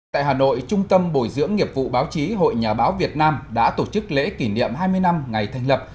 tại hà nội trung tâm bồi dưỡng nghiệp vụ báo chí hội nhà báo việt nam đã tổ chức lễ kỷ niệm hai mươi năm ngày thành lập